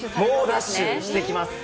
猛ダッシュしてきます。